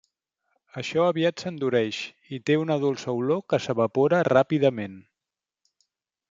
Això aviat s'endureix, i té una dolça olor que s'evapora ràpidament.